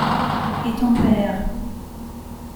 Et ton père!...